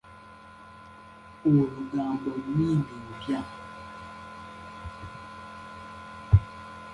Olugambo mmindi mpya.